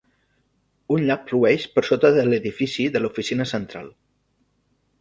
Un llac flueix per sota de l'edifici de l'oficina central.